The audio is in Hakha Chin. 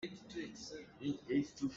Ka bala pem caah a zut.